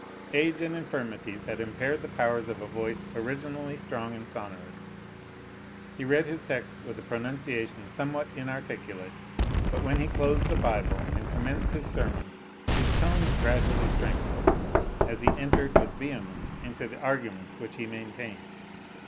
Age and infirmities had impaired the powers of a voice originally strong and sonorous. He read his text with a pronunciation somewhat inarticulate; but when he closed the Bible, and commenced his sermon, his tones gradually strengthened, as he entered with vehemence into the arguments which he maintained.